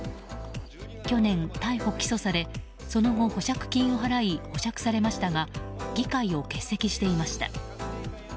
去年、逮捕・起訴されその後、保釈金を払い保釈されましたが議会を欠席していました。